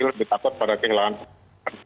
lebih takut pada kehelapan